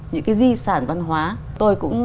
những cái di sản văn hóa tôi cũng